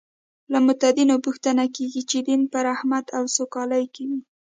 له متدینو پوښتنه کېږي چې دین به رحمت او سوکالي وي.